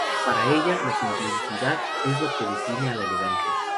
Para ella, la simplicidad es lo que define a la elegancia.